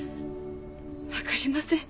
わかりません。